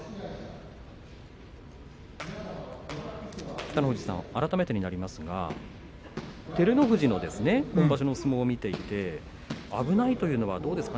北の富士さん、改めてですが照ノ富士の今場所の相撲を見ていて危ないというのはどうですか。